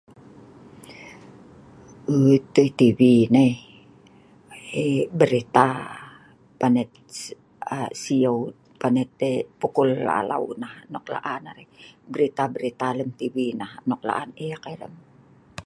ei tei tei tv nai eii berita panet aa siu panet eii pukul la'alau nah nok la'an arai berita berita lem tv nah nok la'an ek ai hrem